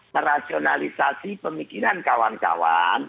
merasionalisasi pemikiran kawan kawan